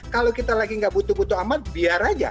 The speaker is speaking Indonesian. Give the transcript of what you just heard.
kalau kita lagi nggak butuh butuh amat biar aja